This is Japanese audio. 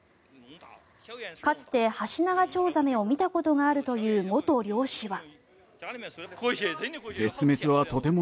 かつてハシナガチョウザメを見たことがあるという元漁師は。